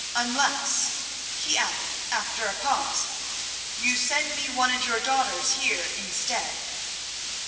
Unless," he added after a pause, "you send me one of your daughters here instead."